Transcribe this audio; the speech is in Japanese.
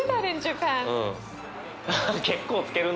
結構つけるな。